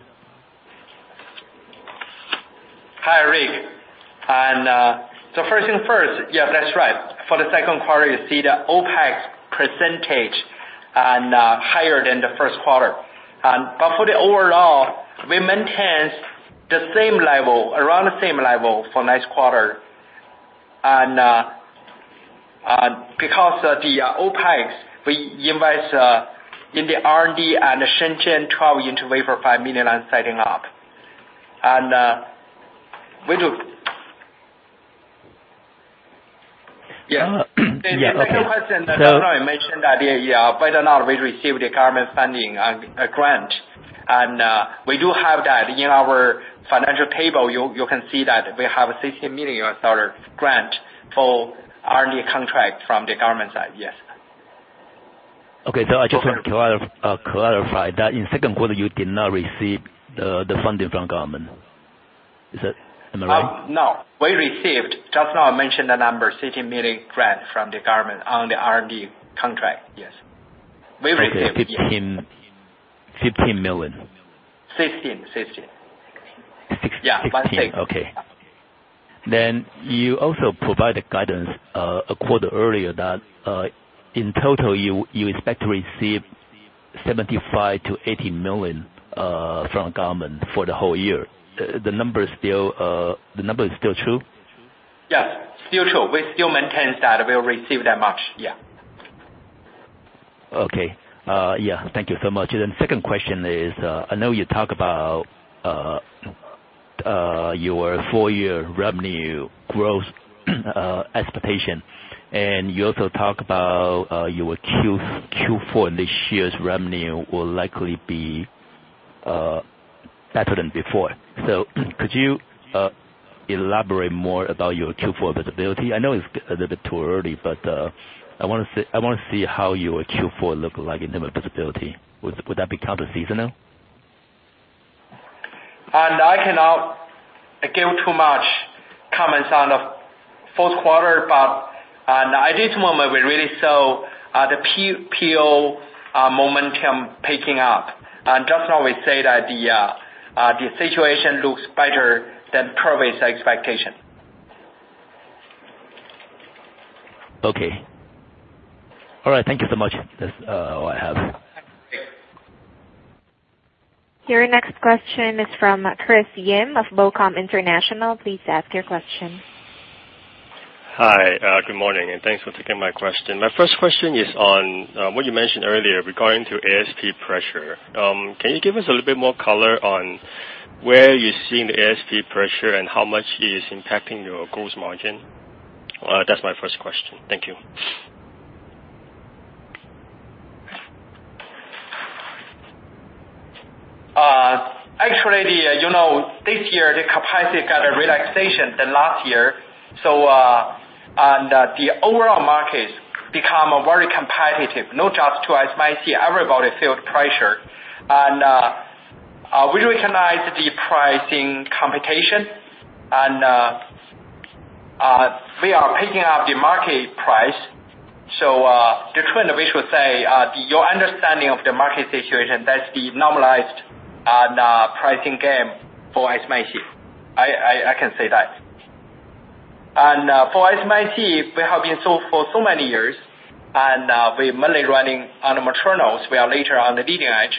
Hi, Rick. First thing first, yeah, that's right. For the second quarter, you see the OpEx percentage higher than the first quarter. For the overall, we maintain the same level, around the same level for next quarter. Because the OpEx, we invest in the R&D and the Shenzhen 12-inch wafer fab mini line setting up.
Oh, okay.
The second question that I mentioned that, whether or not we receive the government funding and grant, we do have that in our financial table. You can see that we have $16 million grant for R&D contract from the government side. Yes.
Okay. I just want to clarify that in second quarter, you did not receive the funding from government? Is that am I right?
No. We received, just now I mentioned the number, $16 million grant from the government on the R&D contract. Yes.
$15 million.
16.
16.
Yeah. $16.
Okay. You also provided guidance, a quarter earlier that, in total you expect to receive $75 million-$80 million, from government for the whole year. The number is still true?
Yes, still true. We still maintain that we'll receive that much, yeah.
Okay. Thank you so much. Second question is, I know you talk about your full year revenue growth expectation, and you also talk about your Q4 this year's revenue will likely be better than before. Could you elaborate more about your Q4 visibility? I know it's a little too early, but I want to see how your Q4 look like in terms of visibility. Would that be counterseasonal?
I cannot give too much comments on the fourth quarter. At this moment, we really saw the PO momentum picking up. Just now we say that the situation looks better than previous expectation.
Okay. All right. Thank you so much. That's all I have.
Thanks.
Your next question is from Chris Yim of BOCOM International. Please ask your question.
Hi, good morning and thanks for taking my question. My first question is on what you mentioned earlier regarding to ASP pressure. Can you give us a little bit more color on where you are seeing the ASP pressure and how much it is impacting your gross margin? That is my first question. Thank you.
Actually, this year, the capacity got a relaxation than last year, and the overall market become very competitive, not just to SMIC. Everybody feel the pressure. We recognize the pricing competition, and we are picking up the market price. The trend, we should say, your understanding of the market situation, that is the normalized pricing game for SMIC. I can say that. For SMIC, we have been so for so many years, and we are mainly running on the mature nodes. We are later on the leading edge,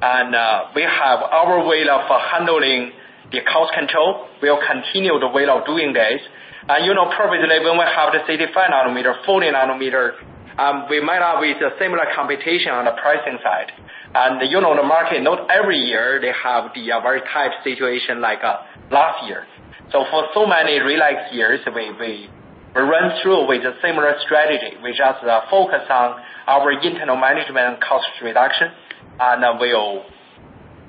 and we have our way of handling the cost control. We will continue the way of doing this. You know previously when we have the 75 nanometer, 40 nanometer, we might have with a similar competition on the pricing side. The market, not every year they have the very tight situation like last year. For so many [relapse] years, we run through with a similar strategy. We just focus on our internal management and cost reduction, and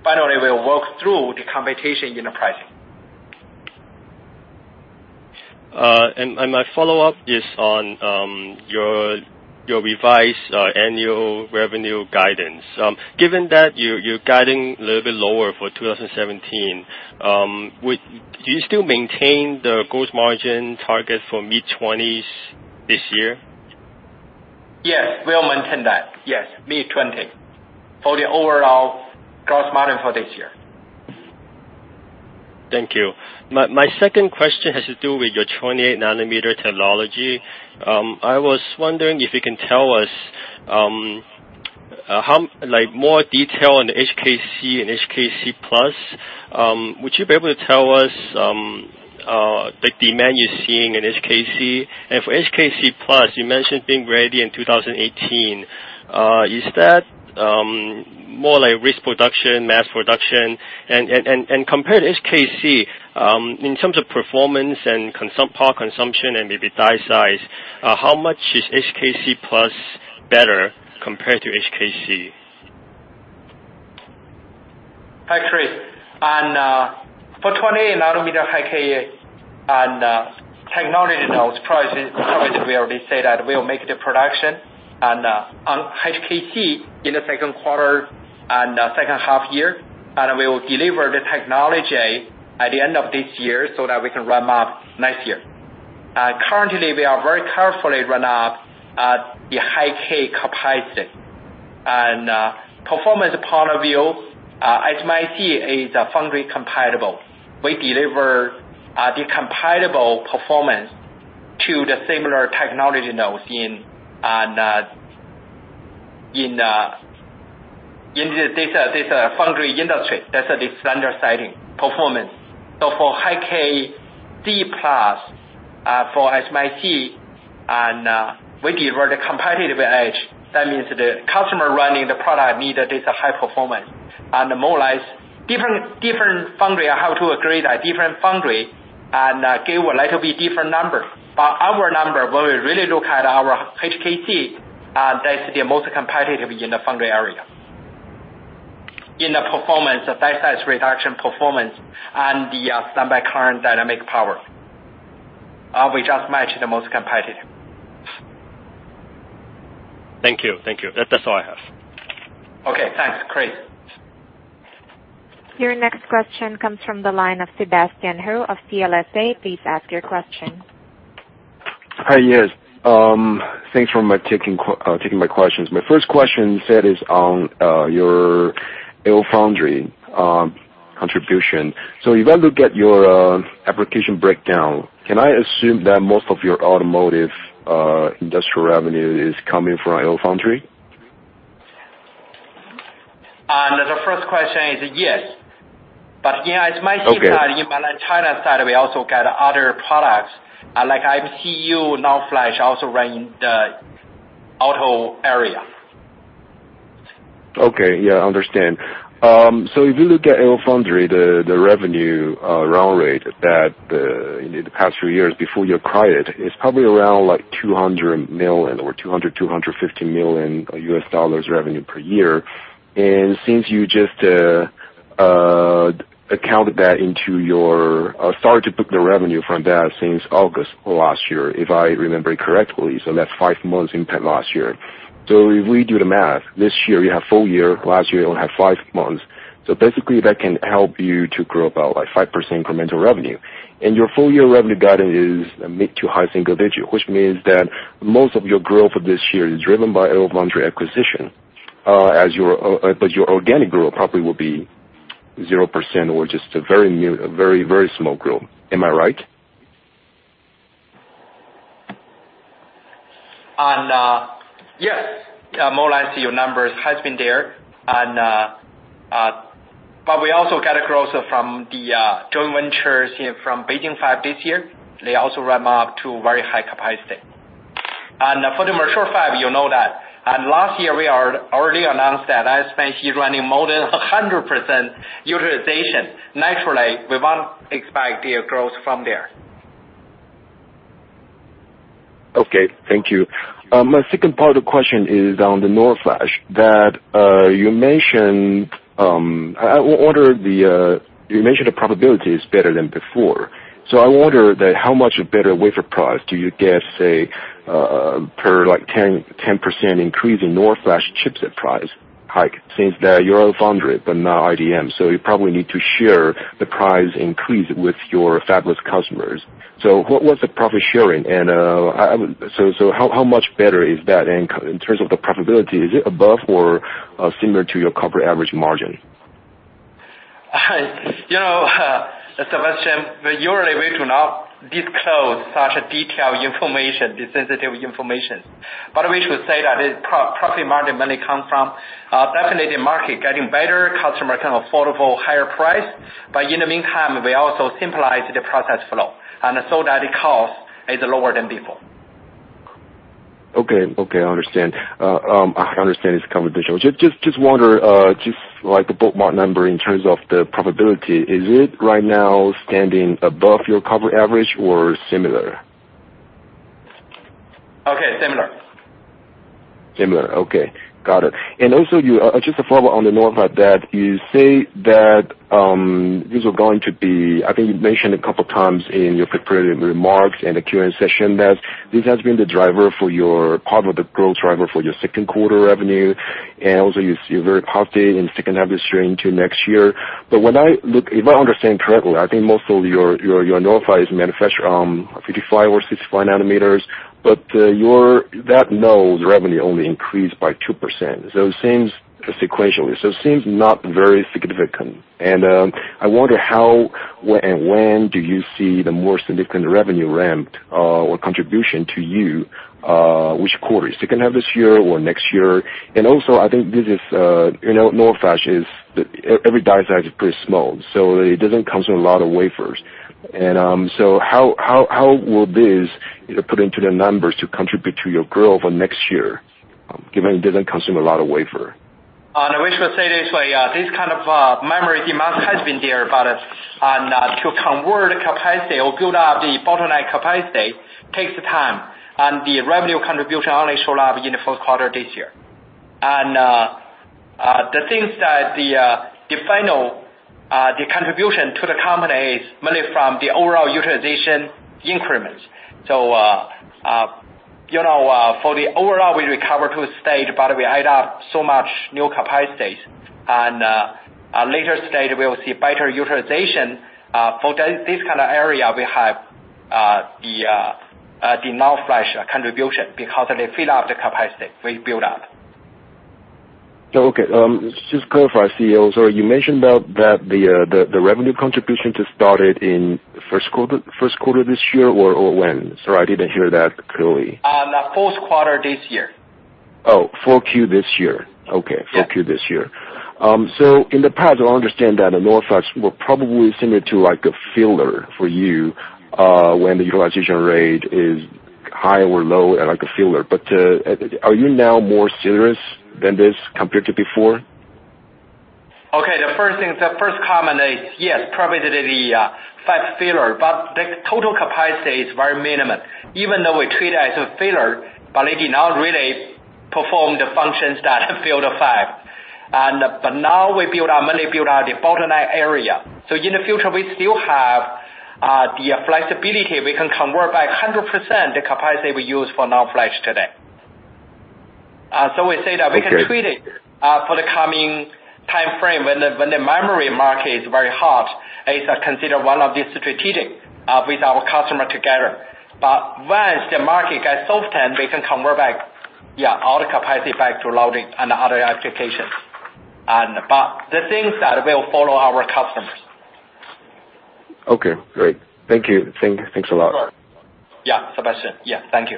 finally, we will work through the competition in the pricing.
My follow-up is on your revised annual revenue guidance. Given that you are guiding a little bit lower for 2017, do you still maintain the gross margin target for mid-twenties this year?
Yes. We'll maintain that. Yes, mid-20 for the overall gross margin for this year.
Thank you. My second question has to do with your 28 nanometer technology. I was wondering if you can tell us more detail on the HKC and HKC+. Would you be able to tell us the demand you're seeing in HKC? For HKC+, you mentioned being ready in 2018. Is that more like risk production, mass production? Compare to HKC, in terms of performance and power consumption and maybe die size, how much is HKC+ better compared to HKC?
Hi, Chris. For 28 nanometer High-K, technology nodes wise we already say that we'll make the production and on HKC in the second quarter and second half year, We will deliver the technology at the end of this year so that we can ramp up the High-K capacity next year. Currently, we are very carefully ramp up the High-K capacity. Performance point of view, SMIC is foundry compatible. We deliver the compatible performance to the similar technology nodes in this foundry industry. That's the standard-setting performance. For HKC+, for SMIC, we give the competitive edge. That means the customer running the product needed this high performance and more or less different foundries have to agree that different foundries and give a little bit different number. Our number, when we really look at our HKC, that's the most competitive in the foundry area. In the performance, the die size reduction performance and the standby current dynamic power. We just match the most competitive.
Thank you. That's all I have.
Okay, thanks. Great.
Your next question comes from the line of Sebastian Hou of CLSA. Please ask your question.
Hi. Yes. Thanks for taking my questions. My first question, that is on your LFoundry contribution. If I look at your application breakdown, can I assume that most of your automotive industrial revenue is coming from LFoundry?
The first question is, yes. As you might see.
Okay
that in China side, we also get other products. Like MCU, NAND flash also rank in the auto area.
Okay. Yeah, I understand. If you look at LFoundry, the revenue run rate that in the past few years before you acquired, it's probably around $200 million or $200 million-$250 million revenue per year. Since you just started to book the revenue from that since August last year, if I remember correctly, that's five months in last year. If we do the math, this year, you have full year. Last year, you only had five months. Basically, that can help you to grow about 5% incremental revenue. Your full-year revenue guidance is mid to high single digit, which means that most of your growth this year is driven by LFoundry acquisition. Your organic growth probably will be 0% or just a very small growth. Am I right?
Yes. More or less, your numbers has been there. We also get growth from the joint ventures from Beijing fab this year. They also ramp up to very high capacity. For the mature fab, you know that. Last year, we already announced that ASP is running more than 100% utilization. Naturally, we want to expect the growth from there.
Okay, thank you. My second part of the question is on the NOR flash that you mentioned. You mentioned the profitability is better than before. I wonder how much better wafer price do you get, say, per 10% increase in NOR flash chipset price hike, since you're a foundry, but not IDM, you probably need to share the price increase with your fabless customers. What was the profit sharing, and how much better is that in terms of the profitability? Is it above or similar to your corporate average margin?
Sebastian, usually we do not disclose such detailed information, the sensitive information. We should say that its profit margin mainly comes from definitely the market getting better, customer can afford higher price. In the meantime, we also simplify the process flow and so that the cost is lower than before.
Okay. I understand. I understand it's confidential. Just wonder, just like a ballpark number in terms of the profitability, is it right now standing above your corporate average or similar?
Okay, similar.
Similar. Okay, got it. Also, just to follow on the NOR flash, that you say that these are going to be, I think you mentioned a couple of times in your prepared remarks and the Q&A session, that this has been the driver for your public growth driver for your second quarter revenue, also you're very positive in second half this year into next year. If I understand correctly, I think most of your NOR flash is manufactured on 55 or 65 nanometer, but that node's revenue only increased by 2% sequentially. It seems not very significant. I wonder how and when do you see the more significant revenue ramp or contribution to you? Which quarter? Second half this year or next year? Also, I think NOR flash is, every die size is pretty small, so it doesn't consume a lot of wafers. How will this put into the numbers to contribute to your growth for next year, given it doesn't consume a lot of wafer?
We should say this way, this kind of memory demand has been there, to convert capacity or build up the bottleneck capacity takes time, the revenue contribution only show up in the Fourth quarter this year. The things that the final contribution to the company is mainly from the overall utilization increments. For the overall, we recover to a stage, we add up so much new capacity. Later stage, we'll see better utilization. For this kind of area, we have the NAND flash contribution because they fill up the capacity we build up.
Okay. Just clarify, sorry. You mentioned about that the revenue contribution just started in first quarter this year or when? Sorry, I didn't hear that clearly.
Fourth quarter this year.
Oh, 4Q this year. Okay.
Yes.
4Q this year. In the past, I understand that the NOR flash was probably similar to a filler for you, when the utilization rate is high or low, and like a filler. Are you now more serious than this compared to before?
Okay. The first thing, the first comment is, yes, probably the fab filler, but the total capacity is very minimum. Even though we treat it as a filler, but it did not really perform the functions that fill the fab. Now we mainly build out the bottleneck area. In the future, we still have the flexibility we can convert by 100% the capacity we use for NOR flash today.
Okay
We can treat it for the coming timeframe when the memory market is very hot, it is considered one of the strategic with our customer together. Once the market gets softer, we can convert back, yeah, all the capacity back to logic and other applications. The things that will follow our customers.
Okay, great. Thank you. Thanks a lot.
Yeah, Sebastian. Yeah, thank you.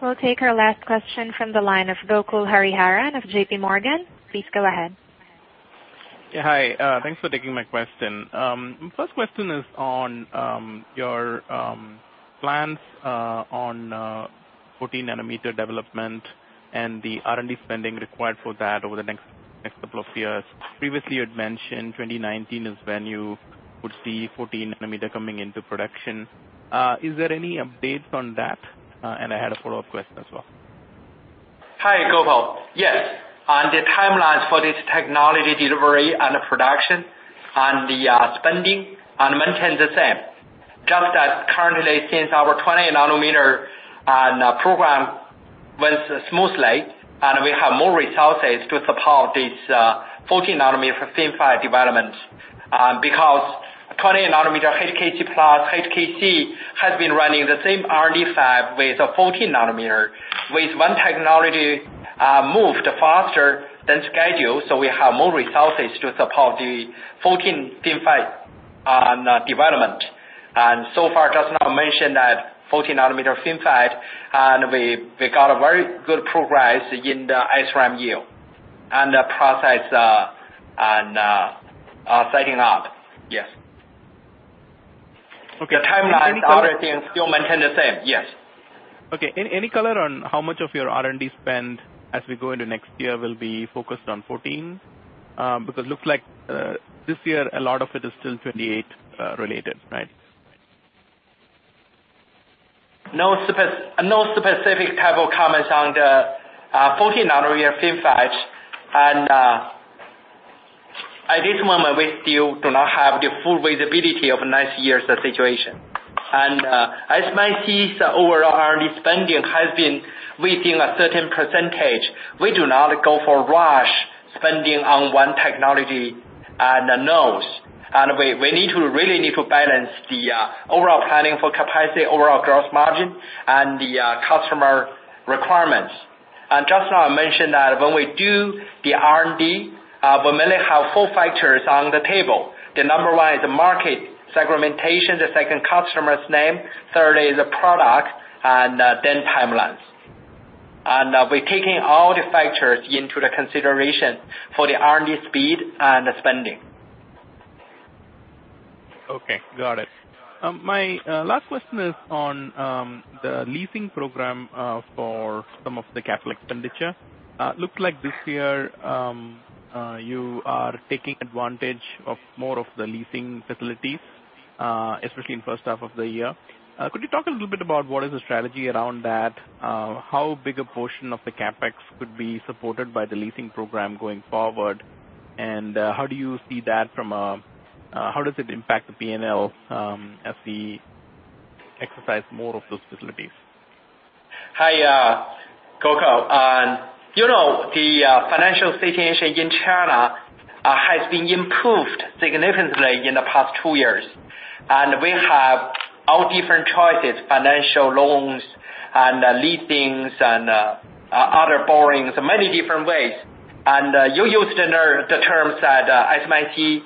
We'll take our last question from the line of Gokul Hariharan of J.P. Morgan. Please go ahead.
Yeah, hi. Thanks for taking my question. First question is on your plans on 14 nanometer development and the R&D spending required for that over the next couple of years. Previously you'd mentioned 2019 is when you would see 14 nanometer coming into production. Is there any updates on that? I had a follow-up question as well.
Hi, Gokul. Yes. On the timelines for this technology delivery and production and the spending and maintain the same. Just as currently since our 20 nanometer program went smoothly, we have more resources to support this 14 nanometer FinFET development. Because 20 nanometer HKC+, HKC has been running the same R&D fab with a 14 nanometer. With one technology moved faster than scheduled, so we have more resources to support the 14 FinFET on development. So far, just now I mentioned that 14 nanometer FinFET, we got a very good progress in the SRAM yield and the process, and setting up. Yes.
Okay. Any color.
The timeline, other things still maintain the same. Yes.
Okay. Any color on how much of your R&D spend as we go into next year will be focused on 14? Because looks like, this year, a lot of it is still 28 related, right?
No specific type of comments on the 14 nanometer FinFET. At this moment, we still do not have the full visibility of next year's situation. SMIC's overall R&D spending has been within a certain %. We do not go for rush spending on one technology and the nodes. We really need to balance the overall planning for capacity, overall gross margin, and the customer requirements. Just now I mentioned that when we do the R&D, we mainly have four factors on the table. The number one is the market segmentation, the second customer's name, third is the product, and then timelines. We're taking all the factors into the consideration for the R&D speed and the spending.
Okay. Got it. My last question is on the leasing program for some of the capital expenditure. Looks like this year, you are taking advantage of more of the leasing facilities, especially in first half of the year. Could you talk a little bit about what is the strategy around that? How big a portion of the CapEx could be supported by the leasing program going forward? How does it impact the P&L, as we exercise more of those facilities?
Hi, Gokul. You know, the financial situation in China has been improved significantly in the past two years. We have all different choices, financial loans and leasings and other borrowings, many different ways. You used the terms that SMIC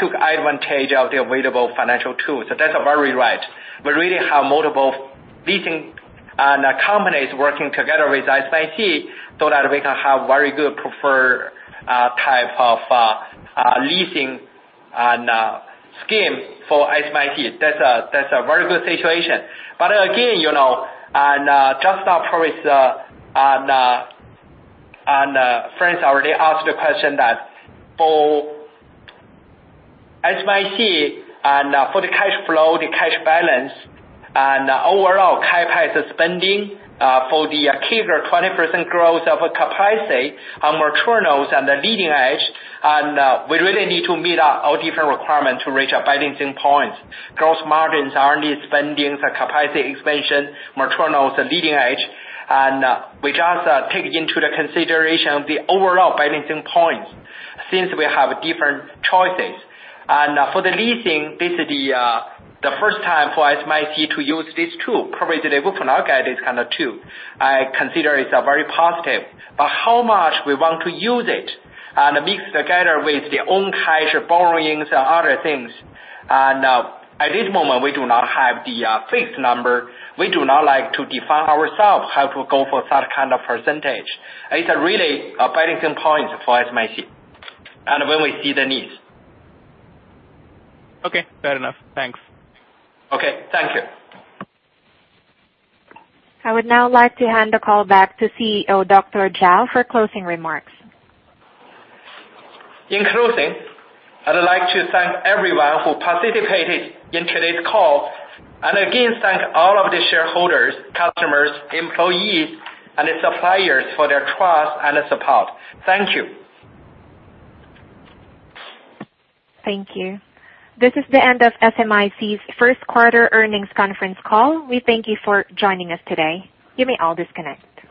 took advantage of the available financial tools. That's very right. We really have multiple leasing and companies working together with SMIC so that we can have very good preferred type of leasing and scheme for SMIC. That's a very good situation. Again, just now probably Frank already asked the question that for SMIC and for the cash flow, the cash balance, and overall CapEx spending, for the achieve the 20% growth of capacity on mature nodes and the leading edge, we really need to meet up all different requirements to reach a balancing point. Gross margins, R&D spendings, the capacity expansion, mature nodes, the leading edge. We just take into the consideration the overall balancing point since we have different choices. For the leasing, this is the first time for SMIC to use this tool, probably they [open our guide is kind of tool]. I consider it's a very positive. How much we want to use it and mix together with the own cash, borrowings, other things. At this moment, we do not have the fixed number. We do not like to define ourselves how to go for that kind of percentage. It's really a balancing point for SMIC, and when we see the needs.
Okay, fair enough. Thanks.
Okay, thank you.
I would now like to hand the call back to CEO, Dr. Zhao, for closing remarks.
In closing, I'd like to thank everyone who participated in today's call, and again, thank all of the shareholders, customers, employees, and the suppliers for their trust and support. Thank you.
Thank you. This is the end of SMIC's first quarter earnings conference call. We thank you for joining us today. You may all disconnect.